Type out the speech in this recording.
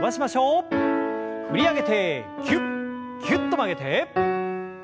振り上げてぎゅっぎゅっと曲げて。